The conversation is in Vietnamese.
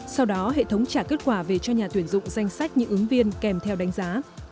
sau đó hệ thống trả kết quả về cho nhà tuyển dụng danh sách những ứng viên kèm theo đánh giá